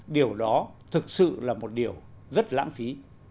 điều đó thực sự là một điều rất lãng phí